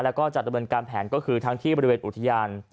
แล้วก็จัดดำเนินการแผนก็คือทั้งที่บริเวณอุทยาน